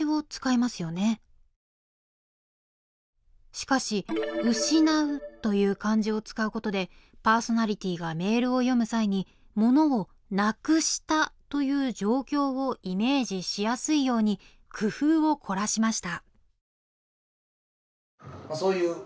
しかし「失う」という漢字を使うことでパーソナリティーがメールを読む際に「ものをなくした」という状況をイメージしやすいように工夫を凝らしました